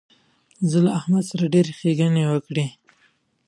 زه له احمد سره ډېرې ښېګڼې وکړې.